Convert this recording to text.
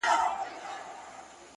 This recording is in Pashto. بیرته چي یې راوړې، هغه بل وي زما نه .